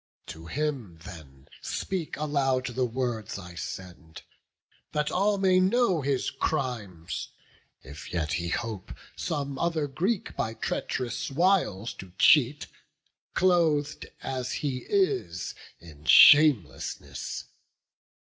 To him then speak aloud the words I send, That all may know his crimes, if yet he hope Some other Greek by treach'rous wiles to cheat, Cloth'd as he is in shamelessness!